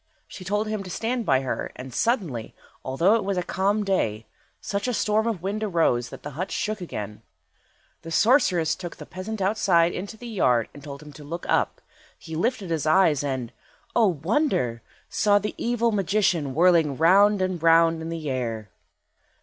She told him to stand by her, and, suddenly, although it was a calm day, such a storm of wind arose that the hut shook again. The sorceress then took the peasant outside into the yard and told him to look up. He lifted up his eyes, and—O wonder!—saw the evil magician whirling round and round in the air.